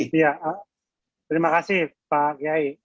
terima kasih pak kiai